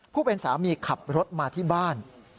ผู้เป็นสามีขับรถมาที่บ้าน